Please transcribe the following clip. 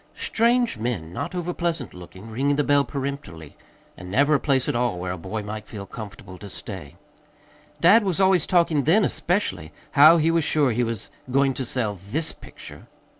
Strange men, not overpleasant looking, ringing the doorbell peremptorily. And never a place at all where a boy might feel comfortable to stay. Dad was always talking then, especially, how he was sure he was going to sell THIS picture.